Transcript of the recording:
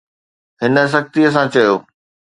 هن سختيءَ سان چيو